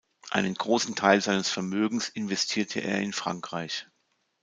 Einen großen Teil seines Vermögens investierte er in Frankreich.